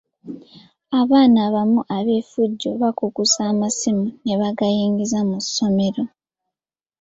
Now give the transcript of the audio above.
Abaana abamu ab'effujjo bakukusa amasimu ne bagayingiza mu ssomero.